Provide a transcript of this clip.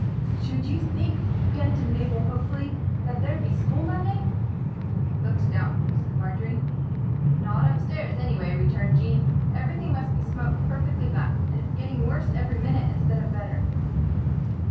"Should you think," panted Mabel, hopefully, "that there'd be school Monday?" "Looks doubtful," said Marjory. "Not upstairs, anyway," returned Jean. "Everything must be smoked perfectly black. And it's getting worse every minute instead of better."